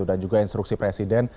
dan juga instruksi presiden